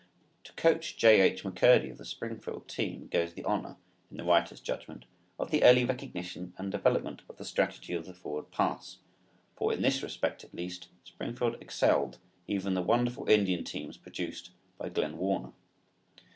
To Coach J. H. McCurdy of the Springfield team goes the honor, in the writer's judgment, of the early recognition and development of the strategy of the forward pass, for in this respect at least, Springfield excelled even the wonderful Indian teams produced by Glen Warner.